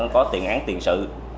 có tiền án tiền sự